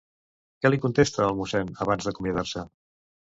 Què li contesta el Mossèn abans d'acomiadar-se?